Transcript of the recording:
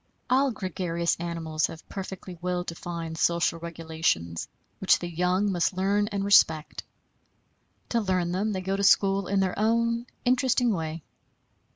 All gregarious animals have perfectly well defined social regulations, which the young must learn and respect. To learn them, they go to school in their own interesting way.